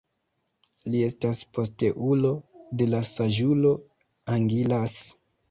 Li estas posteulo de la saĝulo Angiras.